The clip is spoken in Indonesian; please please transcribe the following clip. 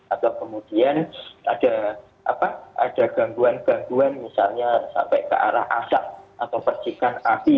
atau kemudian ada gangguan gangguan misalnya sampai ke arah asap atau percikan api